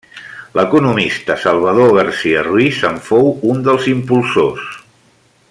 L'economista Salvador Garcia-Ruiz en fou un dels impulsors.